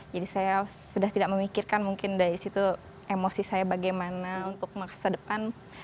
jadi saya sudah tidak memikirkan mungkin dari situ emosi saya bagaimana untuk masa depan